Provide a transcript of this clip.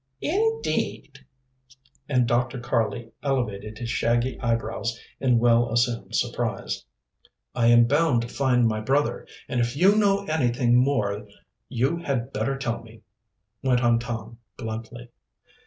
"Indeed!" And Dr. Karley elevated his shaggy eyebrows in well assumed surprise. "I am bound to find my brother, and if you know anything more you had better tell me," went on Tom bluntly.